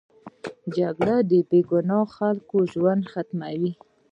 جګړه د بې ګناه خلکو ژوند ختموي